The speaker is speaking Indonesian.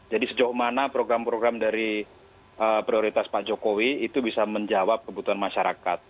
jadi sejauh mana program program dari prioritas pak jokowi itu bisa menjawab kebutuhan masyarakat